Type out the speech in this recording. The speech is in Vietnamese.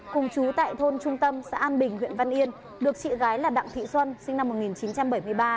cùng chú tại thôn trung tâm xã an bình huyện văn yên được chị gái là đặng thị xuân sinh năm một nghìn chín trăm bảy mươi ba